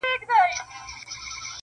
o ګلان راوړه سپرلیه له مودو مودو راهیسي,